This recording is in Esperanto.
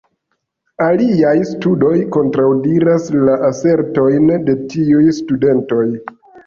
Aliaj studoj kontraŭdiras la asertojn de tiuj studantoj.